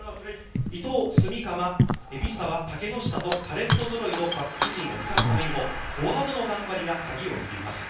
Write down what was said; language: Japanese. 伊藤、炭竈、海老澤、竹之下とタレントぞろいのバックス陣を生かすためにもフォワードの頑張りが鍵を握ります。